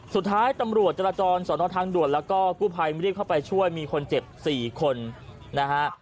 สุดท้ายตำรวจจราจรสอนอทางด่วนแล้วก็กู้ภัยรีบเข้าไปช่วยมีคนเจ็บ๔คนนะฮะ